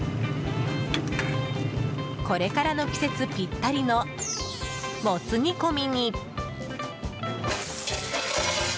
これからの季節ぴったりのもつ煮込みに。